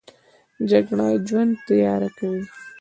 جګړه ژوند تیاره کوي